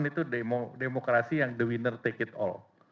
itu demokrasi yang the winner take it all